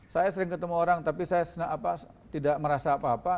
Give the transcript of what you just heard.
saya sering ketemu orang tapi saya tidak merasa apa apa